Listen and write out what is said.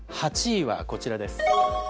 ８位はこちらです。